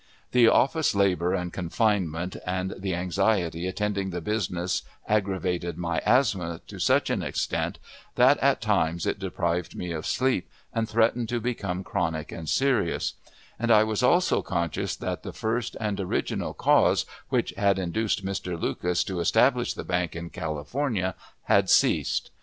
The office labor and confinement, and the anxiety attending the business, aggravated my asthma to such an extent that at times it deprived me of sleep, and threatened to become chronic and serious; and I was also conscious that the first and original cause which had induced Mr. Lucas to establish the bank in California had ceased.